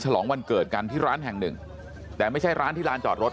ลองวันเกิดกันที่ร้านแห่งหนึ่งแต่ไม่ใช่ร้านที่ร้านจอดรถ